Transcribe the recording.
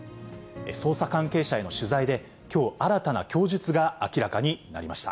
捜査関係者への取材で、きょう新たな供述が明らかになりました。